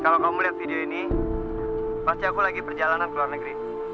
kalau kamu melihat video ini pasti aku lagi perjalanan ke luar negeri